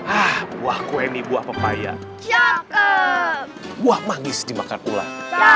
ah buah kue nih buah pepaya cakep buah manis dimakan ular